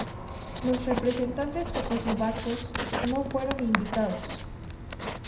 Los representantes checoslovacos no fueron invitados.